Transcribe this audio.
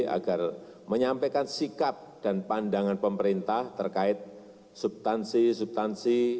agar menyampaikan sikap dan pandangan pemerintah terkait subtansi subtansi